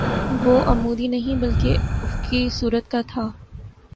وہ عمودی نہیں بلکہ افقی صورت کا تھا